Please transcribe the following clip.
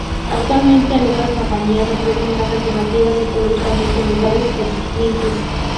Actualmente algunas compañías ofrecen más alternativas ecológicamente amigables para sus clientes.